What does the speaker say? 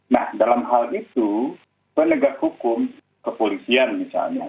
nah dalam hal itu penegak hukum kepolisian misalnya